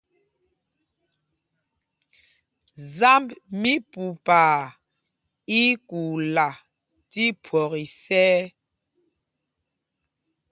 Zámb mí Pupaa í í kuula tí phwɔk isɛ̄y.